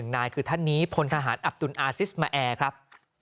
นายคือท่านนี้พลทหารอับตุลอาซิสมาแอร์ครับ